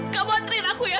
kamu anterin aku ya